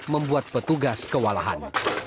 membuat petugas kewalahan